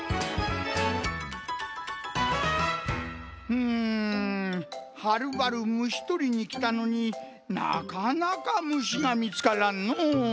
うんはるばる虫とりにきたのになかなか虫がみつからんのう。